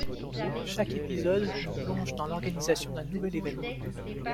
Chaque épisode nous plonge dans l'organisation d'un nouvel évènement.